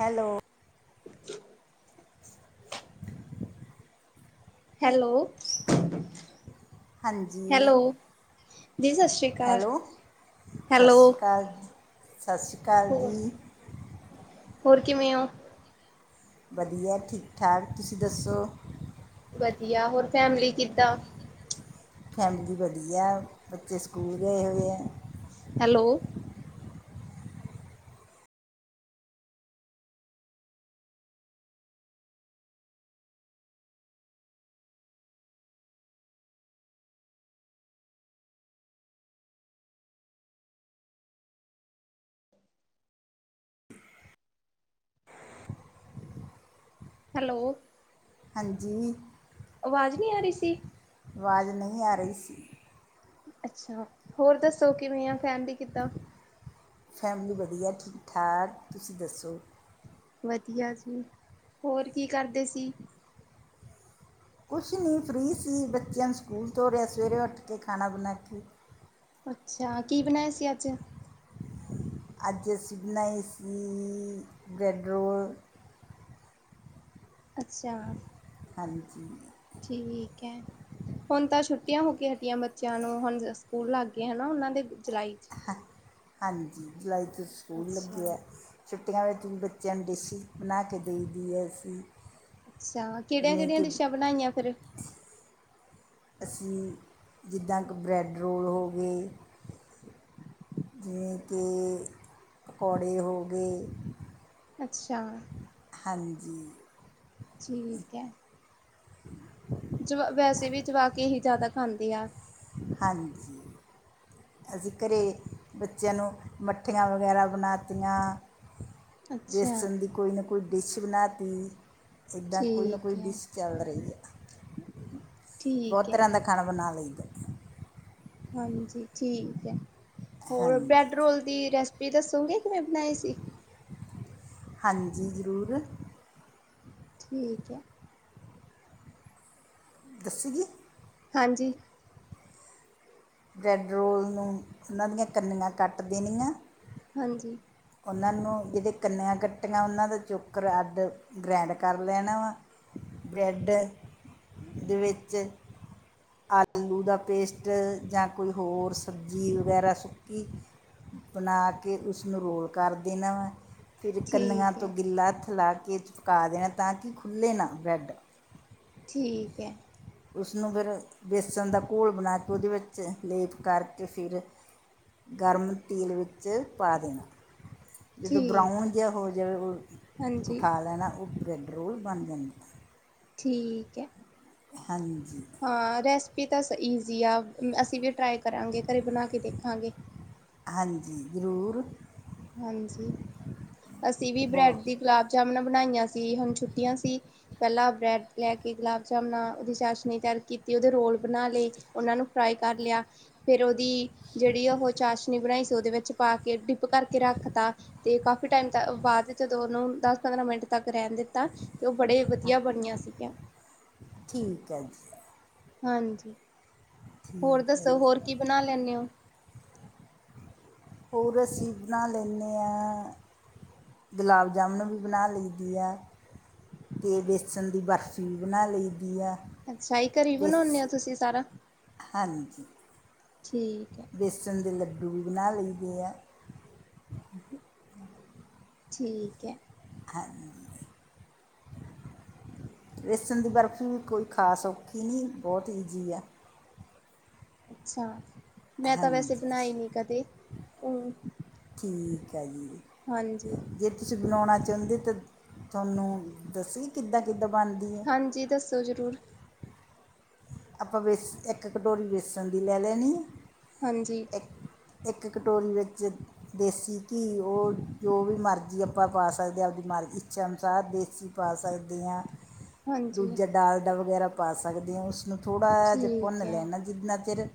Hello. [inaudible] Hello. ਹਾਂਜੀ। ਜੀ ਸਤਿ ਸ਼੍ਰੀ ਅਕਾਲ। ਹੈਲੋ ਸਤਿ ਹੈਲੋ ਸ਼੍ਰੀ ਅਕਾਲ-ਸਤਿ ਸ਼੍ਰੀ ਅਕਾਲ ਹੋਰ ਜੀ। ਹੋਰ ਕਿਵੇਂ ਹੋ? ਵਧੀਆ ਠੀਕ ਠਾਕ। ਤੁਸੀਂ ਦੱਸੋ? ਵਧੀਆ। ਹੋਰ ਫੈਮਲੀ ਕਿੱਦਾਂ? ਫੈਮਿਲੀ ਵਧੀਆ ਬੱਚੇ ਸਕੂਲ ਗਏ ਹੋਏ ਆ। ਹੈਲੋ। ਹੈਲੋ। ਹਾਂਜੀ। ਆਵਾਜ਼ ਨਹੀਂ ਆ ਰਹੀ ਸੀ? ਆਵਾਜ਼ ਨਹੀਂ ਆ ਰਹੀ ਸੀ। ਅੱਛਾ ਹੋਰ ਦੱਸੋ, ਕਿਵੇਂ ਆ ਫੈਮਲੀ ਕਿੱਦਾਂ? ਫੈਮਿਲੀ ਵਧੀਆ, ਠੀਕ ਠਾਕ, ਤੁਸੀਂ ਦੱਸੋ? ਵਧੀਆ ਜੀ, ਹੋਰ ਕੀ ਕਰਦੇ ਸੀ? ਕੁਛ ਨਹੀਂ, ਫਰੀ ਸੀ, ਬੱਚਿਆਂ ਨੂੰ ਸਕੂਲ ਤੋਰਿਆ ਸਵੇਰੇ, ਉੱਠ ਕੇ ਖਾਣਾ ਬਣਾ ਕੇ ਅੱਛਾ, ਕੀ ਬਣਾਇਆ ਏ ਸੀ ਅੱਜ? ਅੱਜ ਅਸੀਂ ਬਣਾਏ ਸੀ ਬ੍ਰੈਡ ਰੋਲ। ਅੱਛਾ। ਹਾਂਜੀ। ਠੀਕ ਏ। - ਹੁਣ ਤਾਂ ਛੁੱਟੀਆਂ ਹੋ ਕੇ ਹਟੀਆਂ ਬੱਚਿਆਂ ਨੂੰ, ਹੁਣ ਸਕੂਲ ਲੱਗ ਗਏ ਹਨਾ, ਉਹਨਾਂ ਦੇ ਜੁਲਾਈ 'ਚ। ਹਾਂਜੀ ਜੁਲਾਈ ਤੋਂ ਸਕੂਲ ਲੱਗੇ ਅੱਛਾ, ਐ। ਛੁੱਟੀਆਂ ਵਿੱਚ ਵੀ ਬੱਚਿਆਂ ਨੂੰ ਡਿਸ਼ਇਜ ਬਣਾ ਕੇ ਦੇ ਦੀ ਹੈਸੀਂ। ਅੱਛਾ, ਕਿਹੜੀਆਂ- ਕਿਹੜੀਆਂ ਡਿਸ਼ਾਂ ਬਣਾਈਆਂ ਫੇਰ। ਅਸੀਂ ਜਿੱਦਾਂ ਕਿ ਬਰੈਡ ਰੋਲ ਹੋਗੇ ਜਿਵੇਂ ਕਿ ਪਕੌੜੇ ਹੋ ਗਏ। ਅੱਛਾ। ਹਾਂਜੀ। ਠੀਕ ਐ। ਜਵਾ ਵੈਸੇ ਵੀ ਜਵਾਕ ਇਹੀ ਜਾਦਾ ਖਾਂਦੇ ਆ। ਹਾਂਜੀ, ਅਸੀਂ ਘਰੇ। ਬੱਚਿਆਂ ਨੂੰ ਮੱਠੀਆਂ ਵਗੈਰਾ ਬਣਾਤੀਆ। ਅੱਛਾ ਵੇਸ਼ਨ ਦੀ ਕੋਈ ਨਾ ਕੋਈ ਡਿਸ਼ ਬਣਾ ਤੀ। ਜੀਦਾਂ ਕੋਈ ਨਾ ਕੋਈ ਠੀਕ ਹੈ ਡਿਸ ਚੱਲ ਰਹੀ ਐ ਠੀਕ ਬੋਤ ਹੈ ਤਰਾ ਦਾ ਖਾਣਾ ਬਣਾ ਲਈਦਾ। ਹਾਂਜੀ ਠੀਕ ਐ ਹੋਰ ਹਾਂਜੀ ਬ੍ਰੈਡ ਰੋਲ ਦੀ ਰੈਸਪੀ ਦੱਸੋਗੇ ਕਿਵੇਂ ਬਣਾਈ ਸੀ। ਹਾਂਜੀ ਜ਼ਰੂਰ। ਠੀਕ ਐ। ਦੱਸੋਗੀ। ਹਾਂਜੀ। ਬਰੈੱਡ ਰੋਲ ਨੂੰ ਉਨਾ ਦੀਆ ਕੰਨੀਆ ਕੱਟ ਦੇਣੀਆ। ਹਾਂਜੀ। ਉਨਾਂ ਨੂੰ ਜਿਹਦੇ ਕੰਨਿਆਂ ਕੱਟੀਆਂ ਉਨਾਂ ਦਾ ਚੋਕਰ ਅੱਡ ਗ੍ਰੈਂਡ ਕਰ ਲੈਣਾ ਵਾ ਬ੍ਰੈੱਡ ਦੇ ਵਿੱਚ ਆ ਲੂ ਦਾ ਪੇਸਟ ਜਾਂ ਕੋਈ ਹੋਰ ਸਬਜ਼ੀ ਵਗੈਰਾ ਸੁੱਕੀ ਬਣਾ ਕੇ ਉਸਨੂੰ ਰੋਲ ਕਰ ਦੇਨਾ ਵਾ ਫਿਰ ਕੰਨੀਆਂ ਠੀਕ ਤੋਂ ਹੈ ਗਿੱਲਾ ਹੱਥ ਲਾ ਕੇ ਕਾ ਦੇਣਾ ਤਾਂ ਕਿ ਖੁੱਲੇ ਨਾ ਬਰੈੱਡ। ਠੀਕ ਐ। ਉਸਨੂੰ ਫਿਰ ਬੇਸਣ ਦਾ ਘੋਲ ਬਣਾ ਕੇ ਉਦੇ ਵਿੱਚ ਲੇਪ ਕਰਕੇ ਫਿਰ ਗਰਮ ਤੇਲ ਵਿੱਚ ਪਾ ਦੇਣਾ। ਜਦੋਂ ਠੀਕ ਬਰਾਊਨ ਹੈ ਜਿਆ ਹੋ ਜਾਵੇ ਹਾਂਜੀ ਉਠਾ ਲੈਣਾ ਉਹ ਬਰੈੱਡ ਰੋਲ ਬਣ ਜਾਂਦਾ। ਠੀਕ ਐ। ਹਾਂਜੀ। ਹਾਂ ਰੈਸਪੀ ਤਾ ਸ ਈਜ਼ੀ ਆ ਅਸੀਂ ਵੀ ਟਰਾਈ ਕਰਾਂਗੇ ਕਰੇ ਬਣਾ ਕੇ ਦੇਖਾਂਗੇ। ਹਾਂਜੀ ਜਰੂਰ। ਹਾਂਜੀ ਅਸੀਂ ਵੀ ਬਹੁ ਬ੍ਰੈਡ ਦੀ ਗੁਲਾਬ ਜਾਮਨਾ ਬਣਾਈਆਂ ਸੀ ਹੁਣ ਛੁੱਟੀਆ ਸੀ। ਪੈਲਾਂ ਬ੍ਰੈਡ ਲੈ ਕੇ ਗੁਲਾਬ ਜਾਮਨਾ ਉਦੀ ਚਾਸ਼ਨੀ ਤਿਆਰ ਕੀਤੀ ਉਹਦੇ ਰੋਲ ਬਣਾ ਲਏ। ਉਹਨਾ ਨੂੰ ਫਰਾਈ ਕਰ ਲਿਆ ਫੇਰ ਔਦੀ ਜੇੜੀ ਉਹ ਚਾਸ਼ਨੀ ਬਣਾਈ ਸੀ ਉਹਦੇ ਵਿੱਚ ਪਾ ਕੇ ਡਿੱ ਪ ਕਰਕੇ ਰੱਖ ਤ ਤੇ ਕਾਫੀ ਟਾਈਮ ਤ ਬਾਦ ਜਦੋਂ ਉਹਨੂੰ ਦਸ ਪੰਦਰਾਂ ਮਿੰਟ ਤੱਕ ਰਹਿਣ ਦਿੱਤਾ। ਤੇ ਉਹ ਬੜੇ ਵਧੀਆ ਬਣਿਆ ਸੀਗੀਆ। ਠੀਕ ਐ ਜੀ। ਹਾਂਜੀ ਹੋਰ ਠੀਕ ਹੈ ਦੱਸੋ ਜੀ ਹੋਰ ਕੀ ਬਣਾ ਲੈਂਨੇ ਓ? ਹੋਰ ਅਸੀ ਬਣਾ ਲੈਂਨੇ ਆ ਗੁਲਾਬ ਜਾਮੁਨੂ ਵੀ ਬਣਾ ਲਈ ਦੇ ਆ। ਤੇ ਬੇਸਣ ਦੀ ਬਰਫ਼ੀ ਵੀ ਬਣਾ ਲਈ ਦੀ ਆ। ਅੱਛਾ ਜੀ ਕਰੇ ਬੇਸ ਬਣਾਉਣੇ ਹੋ ਤੁਸੀਂ ਸਾਰਾ। ਹਾਂਜੀ। ਠੀਕ ਐ। ਬੇਸਣ ਦੇ ਲੱਡੂ ਵੀ ਬਣਾ ਲਈ ਦੇ ਆ। ਠੀਕ ਐ। ਹਾਂ [unintelligible] ਵੇਸਨ ਦੀ ਬਰਫ਼ੀ ਵੀ ਕੋਈ ਖਾਸ ਔਖੀ ਨੀ ਬੋਤ ਈਜ਼ੀ ਆ। ਅੱਛਾ ਮੈਂ ਤਾਂ ਵੈਸੇ ਹਾਂਜੀ ਬਣਾਈ ਨੀ ਕਦੇ ਹ ਠੀਕ ਐ ਜੀ। ਹਾਂਜੀ। ਤੁਸੀ ਬਣਾਉਣਾ ਚਾਹੁੰਦੇ ਤਾਂ, ਥੋਨੂੰ ਦੱਸੀਏ ਕਿੱਦਾਂ-ਕਿੱਦਾਂ ਬਣਦੀ ਹੈ ਹਾਂਜੀ, ਦੱਸੋ ਜ਼ਰੂਰ। ਆਪਾਂ ਵੇਸ, ਇੱਕ ਕਟੋਰੀ ਬੇਸਣ ਦੀ ਲੈ ਲੈਣੀ। ਹਾਂਜੀ। ਇੱਕ, ਇੱਕ ਕਟੋਰੀ ਵਿੱਚ ਦੇਸੀ ਘੀ ਉਹ ਜੋ ਵੀ ਮਰਜ਼ੀ ਆਪਾਂ ਪਾ ਸਕਦੇ ਆ, ਉਹਦੀ ਮਰਜ਼ ਇੱਛਾ ਅਨੁਸਾਰ ਦੇਸੀ ਪਾ ਸਕਦੀ ਆਂ। ਹਾਂਜੀ ਦੂਜਾ ਡਾਲਡਾ ਵਗੈਰਾ ਪਾ ਸਕਦੇ ਆਂ, ਉਸਨੂੰ ਥੋੜ੍ਹਾ ਜਿਹਾ ਠੀਕ ਭੁੰਨ ਐ। ਲੈਣਾ ਜਿੱਨਾ ਚਿਰ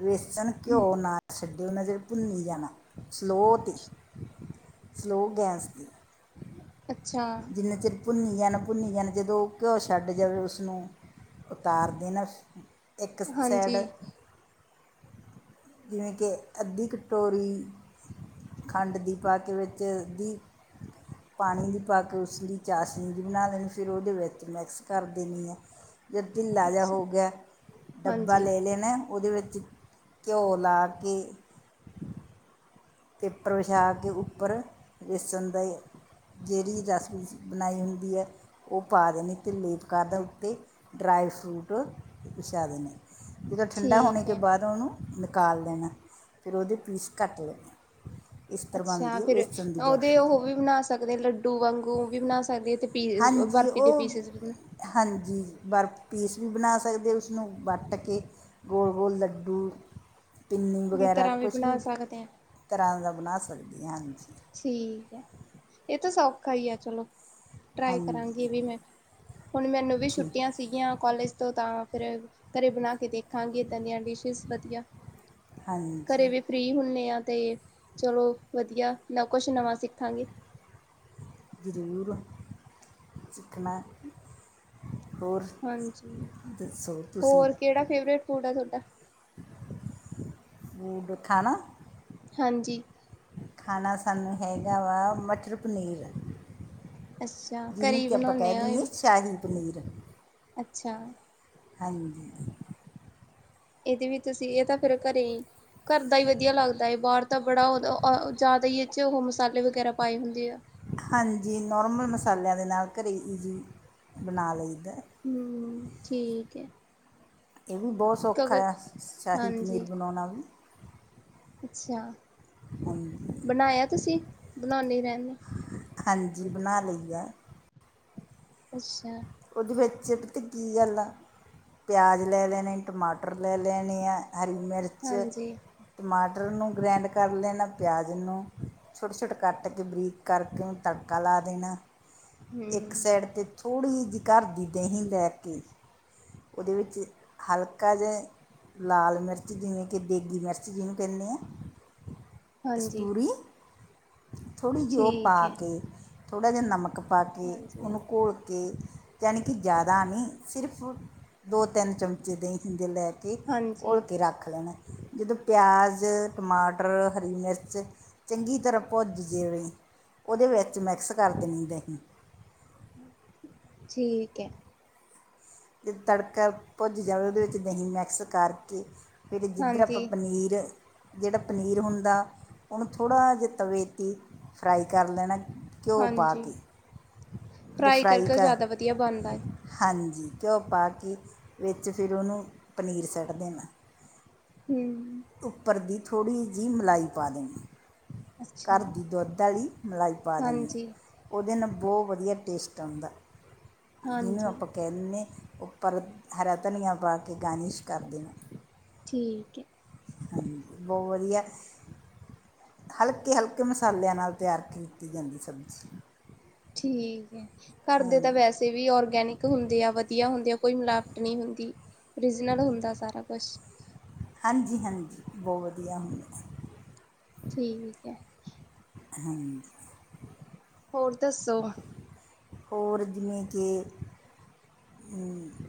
ਵੇਸਣ, ਘਿਓ ਨਾ ਛੱਡੇ ਉਹਨਾਂ ਚਰ ਭੁੰਨੀ ਜਾਣਾ, ਸਲੋਅ ਤੇ। ਸਲੋ ਗੈਸ ਤੇ। ਅੱਛਾ। ਜਿੰਨੇ ਚਿਰ ਭੁੰਨੀ ਜਾਣਾ, ਭੁੰਨੀ ਜਾਣਾ ਜਦੋਂ ਉਹ ਘਿਓ ਛੱਡ ਜਾਵੇ ਉਸਨੂੰ ਉਤਾਰ ਦੇਣਾ, ਇੱਕ ਸਾਈਡ ਹਾਂਜੀ, ਜਿਵੇਂ ਕਿ, ਅੱਧੀ ਕਟੋਰੀ ਖੰਡ ਦੀ ਪਾਕੇ ਵਿੱਚ, ਅੱਧੀ ਪਾਣੀ ਦੀ ਪਾਕੇ ਉਸ ਦੀ ਚਾਸ਼ਨੀ ਜੀ ਬਣਾ ਲੈਣੀ, ਫਿਰ ਉਹਦੇ ਵਿੱਚ ਮਿਕਸ ਕਰ ਦੇਣੀ ਆ। ਜਦੋ ਢਿੱਲਾ ਜਿਹਾ ਅੱਛਾ, ਹੋਗਿਆ, ਡੱਬਾ ਹਾਂਜੀ ਲੈ ਲੈਣਾ ਉਹਦੇ ਵਿੱਚ ਘਿਓ ਲਾਕੇ ਪੇਪਰ ਵਿਛਾਕੇ ਉੱਪਰ, ਬੇਸਣ ਦਾ ਏ ਜੇੜੀ ਰੈਸਪੀਜ ਬਣਾਈ ਹੁੰਦੀ ਐ, ਉਹ ਪਾ ਦੇਣੀ ਤੇ ਲੇਪ ਕਰ ਦੇ ਉੱਤੇ। ਡਰਾਈ-ਫਰੂਟ ਬਿਛਾ ਦੇਨੇ, ਜਦੋਂ ਠੰਡਾ ਹੋਣੇ ਠੀਕ [inaudible] ਐ। ਬਾਦ ਓਨੂੰ ਨਿਕਾਲ ਦੇਣਾ, ਫਿਰ ਓਦੇ ਪੀਸ ਕੱਟ ਲੈਣੇ। ਇਸ ਤਰ੍ਹਾਂ ਅੱਛਿਆ ਬਣਦੀ ਹੈ ਫਿਰ, ਬੇਸਣ ਦੀ ਓਦੇ ਬਰਫੀ ਉਹ ਵੀ ਬਣਾ ਸਕਦੇ ਲੱਡੂ ਵਾਂਗੂ ਵੀ ਬਣਾ ਸਕਦੇ ਆ, ਤੇ ਪੀ ਹਾਂਜੀ ਬਰਫ਼ੀ ਦੇ ਉਹ ਪੀਸਿਜ ਵੀ ਹਾਂਜੀ, ਬਰਫ ਪੀਸ ਵੀ ਬਣਾ ਸਕਦੇ, ਉਸਨੂੰ ਵੱਟ ਕੇ ਗੋਲ-ਗੋਲ ਲੱਡੂ, ਪਿੰਨੀ ਦੀ ਵਗੈਰਾ ਤਰ੍ਹਾਂ ਕੁਛ ਬਣਾ ਵੀ ਸਕਦੇ ਆ, ਤਰ੍ਹਾਂ ਦਾ ਬਣਾ ਸਕਦੇ ਆ, ਹਾਂਜੀ। ਠੀਕ ਐ, ਇਹ ਤਾਂ ਸੌਖਾ ਈ ਆ ਚਲੋ। ਟ੍ਰਾਈ ਕਰਾਂਗੀ ਹਾਂਜੀ ਏਹ ਵੀ ਮੈਂ, ਹੁਣ ਮੈਨੂੰ ਵੀ ਠੀਕ ਛੁੱਟੀਆਂ ਸੀਗੀਆਂ ਕੋਲੇਜ ਤੋਂ ਤਾਂ ਫਿਰ ਘਰੇ ਬਣਾਕੇ ਦੇਖਾਂਗੇ, ਏਦਾ ਦੀਆਂ ਡਿਸ਼ਿਜ ਵਧੀਆ। ਘਰੇ ਹਾਂਜੀ ਵੀ ਫ੍ਰੀ ਹੁੰਨੇ ਆ ਤੇ, ਚਲੋ ਵਧੀਆ, ਨਾ ਕੁਛ ਨਵਾਂ ਸਿੱਖਾਂਗੇ। ਜਰੂਰ, ਸਿੱਖਣਾ। ਹੋਰ, ਹਾਂਜੀ ਦੱਸੋ ਤੁਸੀਂ? ਹੋਰ ਕਿਹੜਾ ਫੇਵਰੇਟ ਫੂਡ ਆ, ਥੋਡਾ? ਫੂਡ ਖਾਣਾ? ਹਾਂਜੀ। ਖਾਨਾ ਸਾਨੂੰ ਹੇਗਾ ਵਾ, ਮਟਰ ਪਨੀਰ, ਅੱਛਾ ਘਰੇ ਜੀਨੂੰ ਹੀ ਕੀ ਆਪਾਂ ਕਹਿ ਬਣਾਉਣੇ ਆ ਇਹ ਦਿੰਨੇ ਵੀ ਸ਼ਾਹੀ-ਪਨੀਰ। ਅੱਛਾ। ਹਾਂਜੀ। ਏਦੇ ਵਿਚ ਅਸੀ, ਇਹ ਤਾਂ ਫਿਰ ਘਰੇ ਈ ਘਰ ਦਾ ਈ ਵਧੀਆ ਲੱਗਦਾ ਏ, ਬਾਹਰ ਤਾਂ ਬੜਾ ਜਾਦਾ ਈ ਏ'ਚ ਓ ਮਸਾਲੇ ਵਗੈਰਾ ਪਾਏ ਹੁੰਦੇ ਆ। ਹਾਂਜੀ, ਨੌਰਮਲ ਮਸਾਲਿਆਂ ਦੇ ਨਾਲ ਘਰੇ ਈਜੀ ਬਣਾ ਲਈਦਾ। ਹੂੰ, ਠੀਕ ਐ। ਇਹ ਵੀ ਬੋਤ ਸੌਖਾ ਯਾ, ਸ਼ਾਹੀ-ਪਨੀਰ ਹਾਂਜੀ ਬਣਾਉਣਾ। ਅੱਛਾ ਹਾਂਜੀ ਬਣਾਇਆ ਤੁਸੀਂ ਬਣੋਨੇ ਈ ਰੇਨੇ ਹਾਂਜੀ ਬਣਾ ਲਈ ਦਾ। ਅੱਛਾ ਓਦੇ ਵਿੱਚ ਪਤਾ ਕੀ ਗੱਲ ਆ ਪਿਆਜ਼ ਲੈ ਲੈਣੇ, ਟਮਾਟਰ ਲੈ ਲੈਣੇ ਆ ਹਰੀ ਮਿਰਚ ਚ, ਹਾਂਜੀ ਟਮਾਟਰ ਨੂੰ ਗ੍ਰੈਂਡ ਕਰ ਲੈਣਾ ਪਿਆਜ਼ ਨੂੰ ਛੋਟੇ- ਛੋਟੇ ਕੱਟ ਕੇ ਬਰੀਕ ਕਰਕੇ ਓਨੂੰ ਤੜਕਾ ਲਾ ਦੇਣਾ। ਇੱਕ ਹਮ ਸੈਡ ਤੇ ਥੋੜ੍ਹੀ ਜੀ ਘਰ ਦੀ ਦਹੀਂ ਲੈ ਕੇ ਓਦੇ ਵਿੱਚ ਹਲਕਾ ਜਿਆ ਲਾਲ ਮਿਰਚ ਜਿਮੇ ਕੇ ਦੇਗੀ ਮਿਰਚ ਜੀਨੂੰ ਕੇਨੇ ਆ। ਹਾਂਜੀ ਕਸਤੂਰੀ। ਥੋੜ੍ਹੀ ਜੀ ਉਹ ਪਾ ਠੀਕ ਹੈ ਕੇ, ਥੋੜ੍ਹਾ ਜਿਆ ਨਮਕ ਪਾ ਕੇ ਹਾਂਜੀ ਉਹਨੂੰ ਘੋਲ ਕੇ ਜਾਦਾ ਨੀ, ਸਿਰਫ ਦੋ- ਤਿੰਨ ਚਮਚੇ ਦਹੀਂ ਦੇ ਲੈਕੇ ਹਾਂਜੀ ਘੋਲ ਕੇ ਰੱਖ ਲੈਣਾ, ਜਦੋਂ ਪਿਆਜ਼, ਟਮਾਟਰ, ਹਰੀ ਮਿਰਚ ਚੰਗੀ ਤਰ੍ਹਾਂ ਭੁੱਜ ਜਵੇ, ਓਦੇ ਵਿੱਚ ਮਿਕਸ ਕਰ ਦੇਣੀ ਆ ਦਹੀਂ। ਠੀਕ ਐ। ਜੇ ਤੜਕਾ ਭੁੱਜ ਜਾਵੇ ਓਦੇ ਵਿੱਚ ਦਹੀਂ ਮਿਕਸ ਕਰਕੇ ਫਿਰ ਜਿੱਧਰ ਆਪਾਂ ਹਾਂਜੀ ਪਨੀਰ। ਜੇੜਾ ਪਨੀਰ ਹੁੰਦਾ, ਓਨੂੰ ਥੋੜ੍ਹਾ ਜਿਆ ਤਵੇ ਤੇ ਈ ਫਰਾਈ ਕਰ ਲੈਣਾ, ਘਿਓ ਪਾ ਹਾਂਜੀ ਕੇ ਜਦੋਂ ਫਰਾਈ ਕਰਕੇ ਉਹ ਕਹ, ਜ਼ਿਆਦਾ ਵਧੀਆ ਬਣਦਾ ਹੈ ਹਾਂਜੀ ਘਿਓ ਪਾ ਕੇ ਵਿੱਚ ਫਿਰ ਓਨੂੰ ਪਨੀਰ ਸਿੱਟ ਦੇਣਾ। ਹਮ ਉਪਰ ਦੀ ਥੋੜ੍ਹੀ ਜਿਹੀ ਮਲਾਈ ਪਾ ਦੇਣੀ ਆ। ਘਰ ਅੱਛਾ ਦੀ ਦੁੱਧ ਆਲੀ ਮਲਾਈ ਪਾ ਦੇਨੀ ਆ। ਹਾਂਜੀ ਉਹਦੇ ਨਾਲ ਬਹੁਤ ਵਧੀਆ ਟੇਸਟ ਆਂਦਾ ਜਿਹਨੂੰ ਹਾਂਜੀ ਆਪਾਂ ਨਾ ਦਿੰਨੇ ਆ ਉੱਪਰ ਹਰਾ ਧਨੀਆ ਪਾ ਕੇ ਗਾਰਨਿਸ਼ ਕਰ ਦਿੰਨੇ ਨੇ। ਠੀਕ ਹੈ। ਹਾਂਜੀ ਬਹੁਤ ਵਧੀਆ ਹਲਕੇ ਹਲਕੇ ਮਸਾਲਿਆਂ ਨਾਲ ਤਿਆਰ ਕੀਤੀ ਜਾਂਦੀ ਸਬਜ਼ੀ। ਠੀਕ ਹੈ ਘਰਦੇ ਤਾਂ ਹਾਂਜੀ ਵੈਸੇ ਵੀ ਔਰਗੈਨਿਕ ਹੁੰਦੇ ਆ ਵਧੀਆ ਹੁੰਦੇ ਆ ਕੋਈ ਮਿਲਾਵਟ ਨਹੀਂ ਹੁੰਦੀ। ਓਰੀਜਨਲ ਹੁੰਦਾ ਸਾਰਾ ਕੁਛ। ਹਾਂਜੀ ਹਾਂਜੀ ਬਹੁਤ ਵਧੀਆ ਹੁੰਦੇ ਠੀਕ ਐ। ਹਾਂਜੀ ਹੋਰ ਦੱਸੋ? ਹੋਰ ਜਿਵੇਂ ਕਿ ਹੂੰ [inaudible]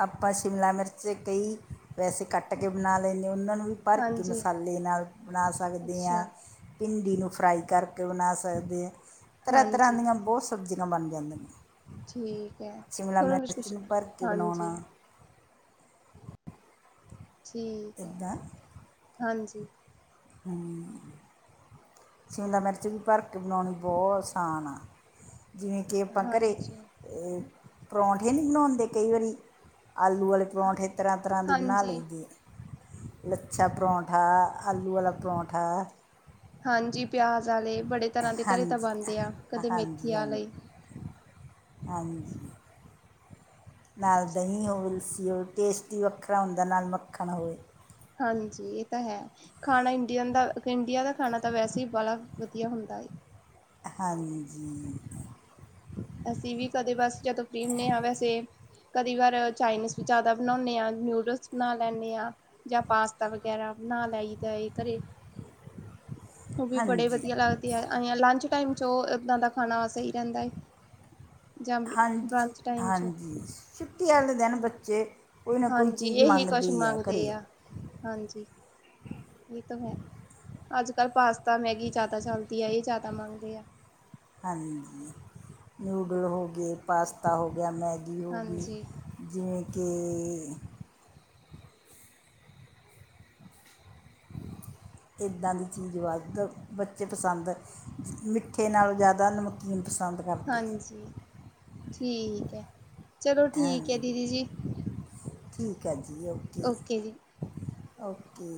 ਆਪਾਂ ਸ਼ਿਮਲਾ ਮਿਰਚ ਕਈ ਵੈਸੇ ਕੱਟ ਬਣਾ ਲੈਂਦੇ ਉਹਨਾਂ ਨੂੰ ਵੀ ਭਰ ਕੇ ਹਾਂਜੀ ਮਸਾਲੇ ਨਾਲ ਬਣਾ ਸਕਦੇ ਆਂ। ਅੱਛਾ ਭਿੰਡੀ ਨੂੰ ਫਰਾਈ ਕਰਕੇ ਬਣਾ ਸਕਦੇ ਆ ਤਰ੍ਹਾਂ ਤਰ੍ਹਾਂ ਹਾਂਜੀ ਦੀਆਂ ਬਹੁਤ ਸਬਜ਼ੀਆਂ ਬਣ ਜਾਂਦੀਆਂ ਨੇ। ਠੀਕ ਹੈ ਤਹਾਨੂੰ ਕੁ ਕੁਛ ਨੂੰ ਭਰ [inaudible] ਕੇ ਹਾਂਜੀ ਬਣਾਉਣਾ ਠੀਕ ਐ ਇੱਦਾਂ [inaudible] ਹਾਂਜੀ ਹਮ [inaudible] ਸ਼ਿਮਲਾ ਮਿਰਚ ਵੀ ਭਰ ਕੇ ਬਣਾਉਣੀ ਬਹੁਤ ਆਸਾਨ ਆ ਜਿਵੇਂ ਕਿ ਆਪਾਂ ਘਰੇ ਹਾਂਜੀ ਏ ਪਰੌਂਠੇ ਨਹੀਂ ਬਣਾਉਂਦੇ ਕਈ ਵਾਰੀ। ਆਲੂ ਵਾਲੇ ਪਰੌਂਠੇ ਤਰ੍ਹਾਂ - ਤਰ੍ਹਾਂ ਦੇ ਬਣਾ ਹਾਂਜੀ ਲਈਦੇ। ਲੱਛਾ ਪਰੌਂਠਾ ਆ, ਆਲੂ ਵਾਲਾ ਪਰੌਂਠਾ ਆ। ਹਾਂਜੀ ਪਿਆਜ਼ ਆਲੇ ਬੜੇ ਤਰ੍ਹਾਂ ਦੇ ਘਰੇ ਤਾਂ ਹਾਂਜੀ ਬਣਦੇ ਆ ਕਦੇ ਮੇਥੀ ਹਾਂਜੀ ਆਲੇ। ਹਾਂਜੀ ਹਾਂਜੀ ਨਾਲ ਦਹੀਂ ਓਟਸ ਟੇਸਟ ਹੀ ਵੱਖਰਾ ਹੁੰਦਾ ਨਾਲ ਮੱਖਣ ਹੋਵੇ। ਹਾਂਜੀ ਇਹ ਤਾਂ ਹੈ। ਖਾਣਾ ਇੰਡੀਅਨ ਦਾ ਇੰਡੀਆ ਦਾ ਖਾਣਾ ਤਾਂ ਵੈਸੇ ਹੀ ਵਾਲਾ ਵਧੀਆ ਹੁੰਦਾ ਹੈ। ਹਾਂਜੀ ਅਸੀਂ ਵੀ ਕਦੇ ਬਸ ਜਦੋਂ ਫਰੀ ਹੁੰਦੇ ਹਾਂ ਵੈਸੇ ਕਈ ਵਾਰ ਚਾਈਨੀਜ਼ ਵੀ ਜ਼ਿਆਦਾ ਬਣਾਉਂਦੇ ਆ ਨੂਡਲਸ ਬਣਾ ਲੈਂਦੇ ਆ। ਜਾਂ ਪਾਸਤਾ ਵਗੈਰਾ ਬਣਾ ਲਈਦਾ ਏ ਘਰੇ ਉਹ ਵੀ ਬੜੇ ਹਾਂਜੀ ਵਧੀਆ ਲੱਗਦੇ ਐ ਲੰਚ ਟਾਈਮ ਚ ਉਹ ਇਦਾਂ ਦਾ ਖਾਣਾ ਸਹੀ ਰਹਿੰਦਾ ਹੈ। ਹਾਂਜੀ ਟਾਈਮ 'ਚ ਹਾਂਜੀ ਛੁੱਟੀ ਵਾਲੇ ਦਿਨ ਬੱਚੇ ਕੋਈ ਨਾ ਕੋਈ ਹਾਂਜੀ ਚੀਜ਼ ਇਹੀ ਮੰਗਦੇ ਕੁਛ ਹੀ ਘਰ ਮੰਗਦੇ ਆ ਹਾਂਜੀ ਇਹ ਤਾਂ ਹੈ ਅੱਜ ਕੱਲ ਪਾਸਤਾ ਮੈਗੀ ਜ਼ਿਆਦਾ ਚਲਦੀ ਆ ਇਹ ਜ਼ਿਆਦਾ ਮੰਗਦੇ ਆ। ਹਾਂਜੀ ਨਿਊਡਲ ਹੋ ਗਏ ਪਾਸਤਾ ਹੋ ਗਿਆ ਮੈਗੀ ਹੋ ਗਈ। ਹਾਂਜੀ ਜਿਵੇਂ ਕੇ ਇੱਦਾਂ ਦੀ ਚੀਜ਼ ਵੱਧ ਬੱਚੇ ਪਸੰਦ ਮਿੱਠੇ ਨਾਲੋ ਜ਼ਿਆਦਾ ਨਮਕੀਨ ਪਸੰਦ ਕਰਦੇ ਹਾਂਜੀ ਠੀਕ ਹੈ। ਚਲੋ ਐ ਠੀਕ ਹੈ ਨੇ ਦੀਦੀ ਜੀ ਠੀਕ ਹੈ ਜੀ ਉਹ ਓਕੇ ਜੀ ਓਕੇ